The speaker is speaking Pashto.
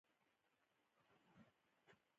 په سیاست کې افراط هېواد تباه کوي.